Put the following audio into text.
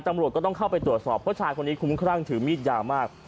ตำรวจก็ต้องเข้าไปตรวจสอบเพราะชายคนนี้คุ้มครั่งถือมีดยาวมาก